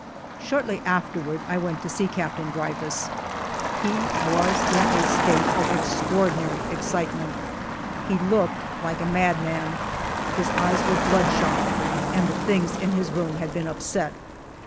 Shortly afterward I went to see Captain Dreyfus. He was in a state of extraordinary excitement. He looked like a madman ; his eyes were bloodshot, and the things in his room had been upset.